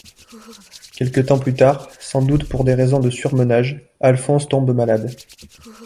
Quelque temps plus tard, sans doute pour des raisons de surmenage, Alphonse tombe malade.